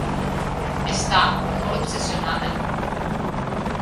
Està molt obsessionada.